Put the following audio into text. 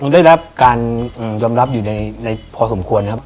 ได้รับการยอมรับอยู่ในพอสมควรครับ